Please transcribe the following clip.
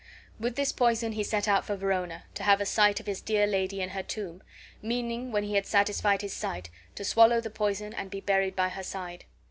With this poison he set out for Verona, to have a sight of his dear lady in her tomb, meaning, when he had satisfied his sight, to swallow the poison and be buried by her side.